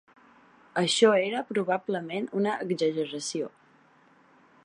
Això era probablement una exageració.